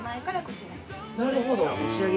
なるほど。